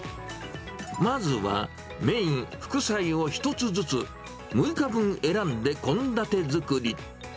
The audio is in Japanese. まずはメイン、副菜を１つずつ６日分選んで献立作り。